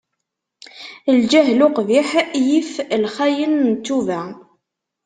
Lǧahel uqbiḥ, yif lxayen n ttuba.